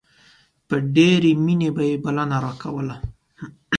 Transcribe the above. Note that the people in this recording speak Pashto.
په ډېرې مينې به يې بلنه راکوله.